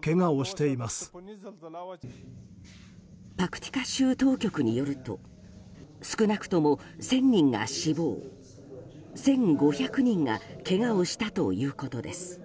パクティカ州当局によると少なくとも１０００人が死亡１５００人がけがをしたということです。